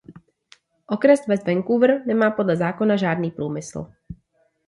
Okres West Vancouver nemá podle zákona žádný průmysl.